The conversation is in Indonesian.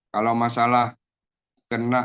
kalau masalah kena